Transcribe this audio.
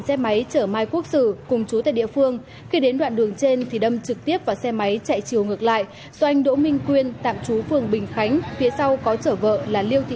xin chào và hẹn gặp lại